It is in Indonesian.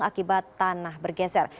akibat tanah bergeser